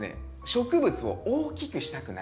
植物を大きくしたくない人。